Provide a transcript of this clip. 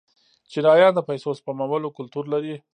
چینایان د پیسو سپمولو کلتور لري.